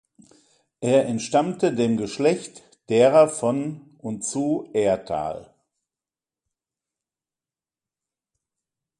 Er entstammte dem Geschlecht derer von und zu Erthal.